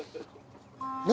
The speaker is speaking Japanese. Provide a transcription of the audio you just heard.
何？